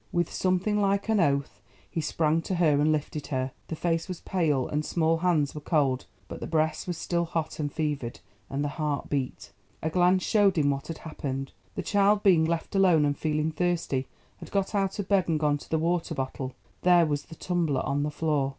With something like an oath he sprang to her and lifted her. The face was pale and the small hands were cold, but the breast was still hot and fevered, and the heart beat. A glance showed him what had happened. The child being left alone, and feeling thirsty, had got out of bed and gone to the water bottle—there was the tumbler on the floor.